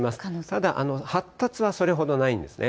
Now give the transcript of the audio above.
ただ、発達はそれほどないんですね。